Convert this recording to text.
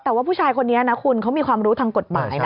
แต่ว่าผู้ชายคนนี้นะคุณเขามีความรู้ทางกฎหมายนะ